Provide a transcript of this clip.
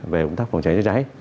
về công tác phòng cháy chữa cháy